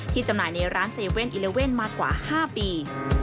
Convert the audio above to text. จำหน่ายในร้าน๗๑๑มากว่า๕ปี